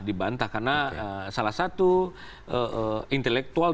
dibantah karena salah satu intelektual